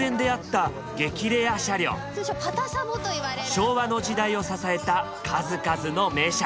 昭和の時代を支えた数々の名車。